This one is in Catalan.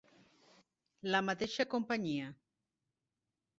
La mateixa Cia.